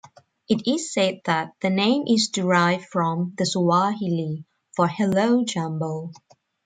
It is said that the name is derived from the Swahili for hello, Jambo!